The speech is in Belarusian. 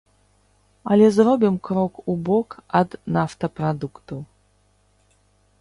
Але зробім крок убок ад нафтапрадуктаў.